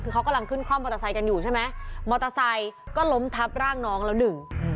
คือเขากำลังขึ้นคล่อมมอเตอร์ไซค์กันอยู่ใช่ไหมมอเตอร์ไซค์ก็ล้มทับร่างน้องแล้วหนึ่ง